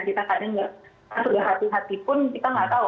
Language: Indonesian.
kita kadang sudah hati hati pun kita nggak tahu